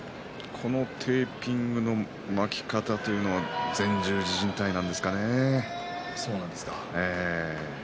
このテーピングの巻き方は前十字じん帯なんでしょうかね。